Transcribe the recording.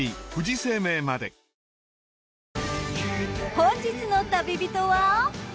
本日の旅人は。